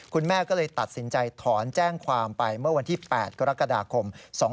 คุณแม่ก็เลยตัดสินใจถอนแจ้งความไปเมื่อวันที่๘กรกฎาคม๒๕๖๒